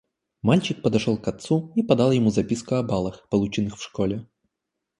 Мальчик подошел к отцу и подал ему записку о баллах, полученных в школе.